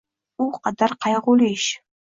U qadar qayg’uli ish.